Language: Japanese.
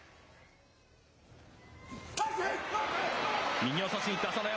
右を差しにいった、朝乃山。